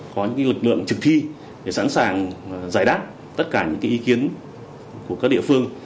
có những lực lượng thực thi để sẵn sàng giải đáp tất cả những ý kiến của các địa phương